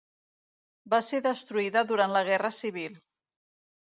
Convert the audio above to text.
Va ser destruïda durant la Guerra Civil.